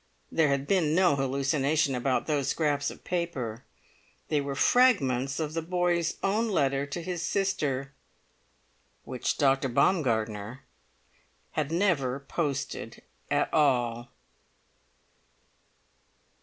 There had been no hallucination about those scraps of paper; they were fragments of the boy's own letter to his sister, which Dr. Baumgartner had never posted at all.